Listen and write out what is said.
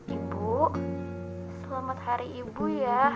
ibu selamat hari ibu ya